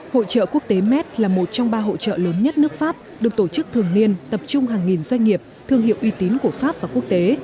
hội trợ quốc tế mat là một trong ba hội trợ lớn nhất nước pháp được tổ chức thường niên tập trung hàng nghìn doanh nghiệp thương hiệu uy tín của pháp và quốc tế